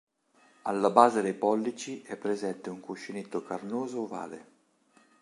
Alla base dei pollici è presente un cuscinetto carnoso ovale.